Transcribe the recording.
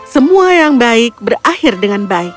semua yang baik berakhir dengan baik